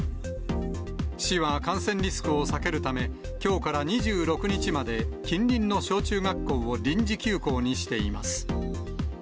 市は感染リスクを避けるため、きょうから２６日まで、近隣の小中学校を臨時休校にしています。